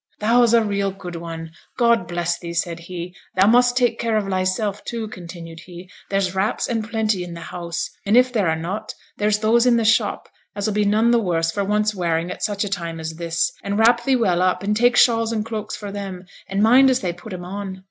'Thou's a real good one, God bless thee!' said he. 'Thou must take care of thyself, too,' continued he; 'there's wraps and plenty i' th' house, and if there are not, there's those i' the shop as 'll be none the worse for once wearing at such a time as this; and wrap thee well up, and take shawls and cloaks for them, and mind as they put 'em on.